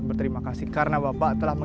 buat aja di daerah lain